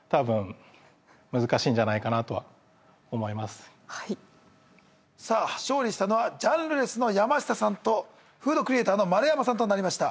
ただはいさぁ勝利したのはジャンルレスの山下さんとフードクリエイターの丸山さんとなりました